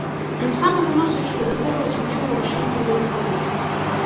Тым самым уносячы дадатковыя сумневы ў рашэнні ўдзельнікаў рынку.